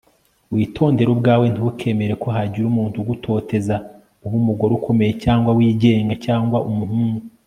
witondere ubwawe, ntukemere ko hagira umuntu ugutoteza, ube umugore ukomeye cyangwa wigenga cyangwa umuhungu